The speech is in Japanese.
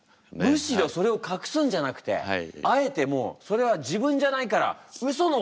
むしろそれを隠すんじゃなくてあえてもうそれは自分じゃないからウソの方に突き進んでいけと！